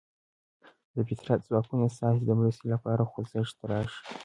د فطرت ځواکونه ستاسې د مرستې لپاره خوځښت راشي.